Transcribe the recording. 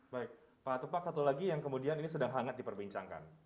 baik pak tupak satu lagi yang kemudian ini sedang hangat diperbincangkan